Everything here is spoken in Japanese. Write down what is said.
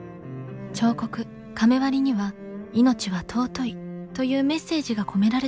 彫刻甕割りには「命は尊い」というメッセージが込められているといいます。